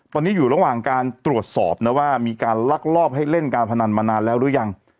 ตอนนี้อยู่ระหว่างการตรวจสอบนะว่ามีการลักลอบให้เล่นการพนันมานานแล้วหรือยัง